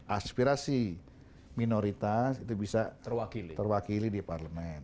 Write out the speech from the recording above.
aspirasi minoritas itu bisa terwakili di parlemen